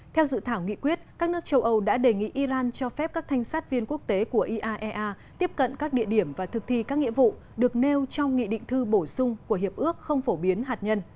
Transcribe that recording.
theo dự thảo nghị quyết các nước châu âu đã đề nghị iran cho phép các thanh sát viên quốc tế của iaea tiếp cận các địa điểm và thực thi các nghĩa vụ được nêu trong nghị định thư bổ sung của hiệp ước không phổ biến hạt nhân